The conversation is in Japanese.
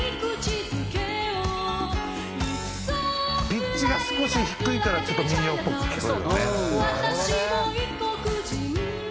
「ピッチが少し低いからちょっと民謡っぽく聞こえるよね」